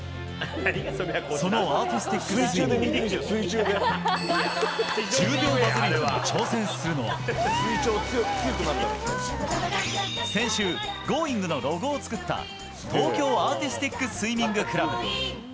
そのアーティスティックスイミングで１０秒バズリートに挑戦するのは先週「Ｇｏｉｎｇ！」のロゴを作った東京アーティスティックスイミングクラブ。